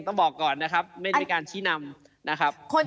ต้องบอกก่อนนะครับไม่ได้มีการชี้นำนะครับ